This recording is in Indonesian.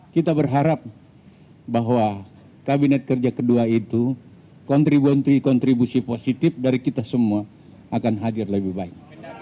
kita berharap bahwa kabinet kerja kedua itu kontribusi kontribusi positif dari kita semua akan hadir lebih baik